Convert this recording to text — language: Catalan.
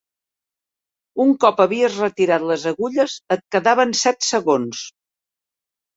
Un cop havies retirat les agulles, et quedaven set segons